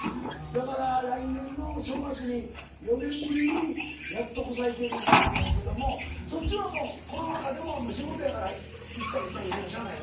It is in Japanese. だから来年の正月に４年ぶりにやっとこさ行けるいう感じやねんけどもそっちはもうコロナ禍でも仕事やから行ったり来たりせなしゃあないよね？